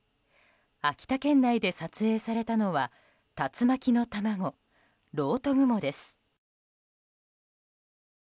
秋田県内で撮影されたのは竜巻の卵、ろうと雲です。